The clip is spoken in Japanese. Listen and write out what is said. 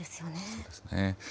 そうですね。